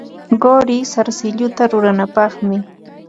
Quri sarsilluta ruranapaqmi.